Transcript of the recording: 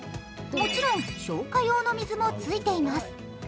もちろん消火用の水もついています。